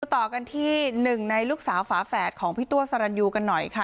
ต่อกันที่หนึ่งในลูกสาวฝาแฝดของพี่ตัวสรรยูกันหน่อยค่ะ